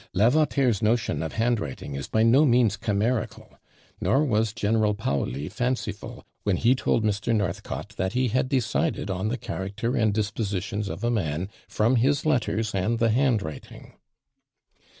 Lavater's notion of handwriting is by no means chimerical; nor was General Paoli fanciful, when he told Mr. Northcote that he had decided on the character and dispositions of a man from his letters, and the handwriting.